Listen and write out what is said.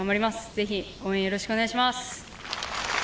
ぜひ応援よろしくお願いします。